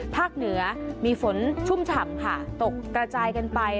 เหนือมีฝนชุ่มฉ่ำค่ะตกกระจายกันไป